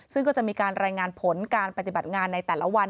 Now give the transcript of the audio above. ซึ่งก็จะมีการรายงานผลการปฏิบัติงานในแต่ละวัน